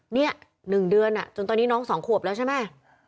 นี่๑เดือนจนตอนนี้น้อง๒ขวบแล้วใช่ไหม